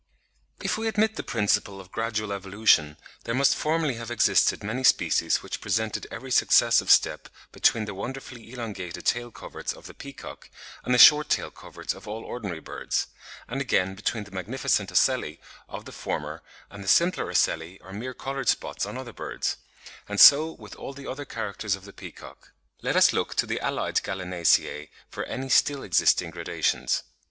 If we admit the principle of gradual evolution, there must formerly have existed many species which presented every successive step between the wonderfully elongated tail coverts of the peacock and the short tail coverts of all ordinary birds; and again between the magnificent ocelli of the former, and the simpler ocelli or mere coloured spots on other birds; and so with all the other characters of the peacock. Let us look to the allied Gallinaceae for any still existing gradations.